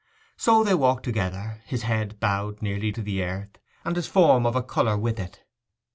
So they walked together, his head bowed nearly to the earth, and his form of a colour with it.